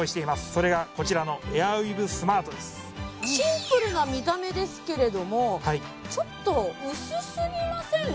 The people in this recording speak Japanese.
それがこちらのシンプルな見た目ですけれどもはいちょっと薄すぎません？